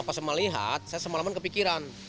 pas melihat saya semalaman kepikiran